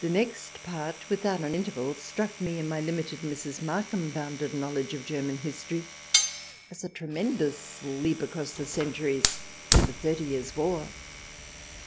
The next part, without an interval, struck me, in my limited Mrs. Markham bounded knowledge of German history, as a tremendous leap across the centuries to the Thirty Years' War.